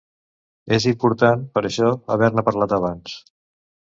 És importat, per això, haver-ne parlat abans.